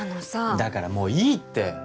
だからもういいって！